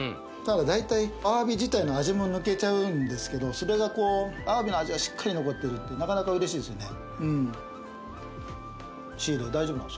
大体アワビ自体の味も抜けちゃうんですけどそれがこうアワビの味はしっかり残ってるってなかなか嬉しいですよね